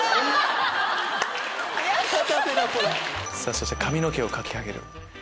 そして髪の毛をかきあげる！